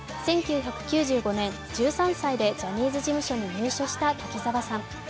１９９５年、１３歳でジャニーズ事務所に入所した滝沢さん。